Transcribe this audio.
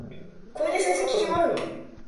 これで成績決まるの？